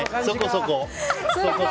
そこ、そこ。